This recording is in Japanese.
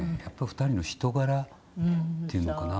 ２人の人柄っていうのかな。